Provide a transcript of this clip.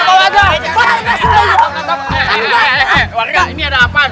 eh eh eh eh warga ini ada apaan